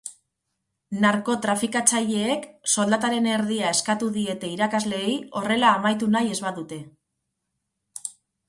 Narkotrafikatzaileek soldataren erdia eskatu diete irakasleei horrela amaitu nahi ez badute.